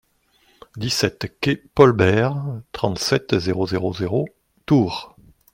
dix-sept quai Paul Bert, trente-sept, zéro zéro zéro, Tours